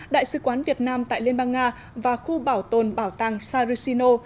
đại sứ quán việt nam tại liên bang nga và khu bảo tồn bảo tàng sarasino